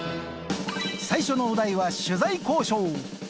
最初のお題は取材交渉。